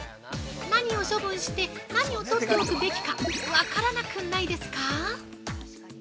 何を処分して何をとっておくべきか、分からなくないですか？